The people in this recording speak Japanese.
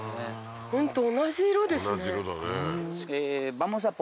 ホント同じ色ですね。